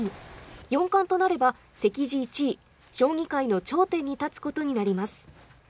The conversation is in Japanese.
四冠となれば席次１位、将棋界の頂点に立つことになります。